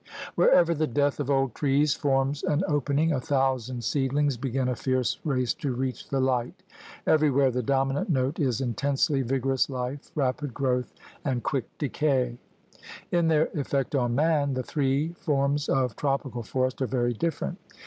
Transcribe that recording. Wherever the death of old trees forms 104 THE RED MAN'S CONTINENT an opening, a thousand seedlings begin a fierce race to reach the Hght. Everywhere the dominant note is intensely vigorous life, rapid growth, and quick decay. In their effect on man, the three forms of tropical forest are very different.